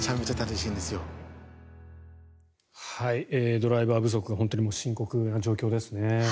ドライバー不足が本当に深刻な状況ですね。